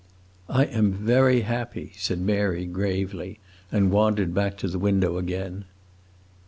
"I am very happy," said Mary, gravely, and wandered back to the window again.